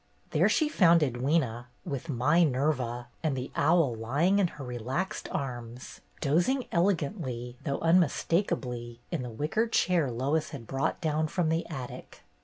There she found Ed wyna, with My Nerva and the owl lying in her relaxed arms, dozing elegantly though unmis takably in the wicker chair Lois had brought down from the attic.